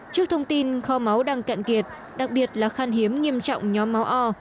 trước thông tin kho máu đang cạn kiệt đặc biệt là khan hiếm nghiêm trọng nhóm máu o